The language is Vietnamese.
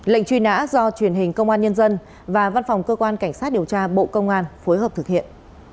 lệnh truy nã do truyền hình công an nhân dân và văn phòng cơ quan cảnh sát điều tra bộ công an phối hợp thực hiện